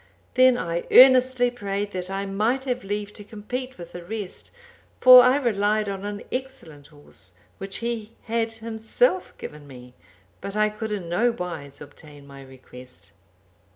Then I earnestly prayed that I might have leave to compete with the rest, for I relied on an excellent horse, which he had himself given me, but I could in no wise obtain my request.